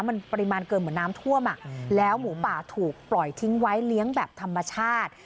มันปริมาณเกินเหมือนน้ำท่วมแล้วหมูป่าถูกปล่อยทิ้งไว้เลี้ยงแบบธรรมชาติ